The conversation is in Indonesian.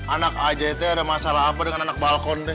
anak aja itu ada masalah apa dengan anak balkon teh